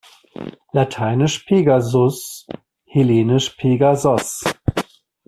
Lateinisch Pegasus, hellenisch Pegasos.